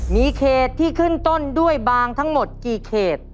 มีเขตที่ขึ้นต้นด้วยบางทั้งหมดกี่เขต